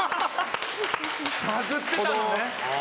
探ってたのね。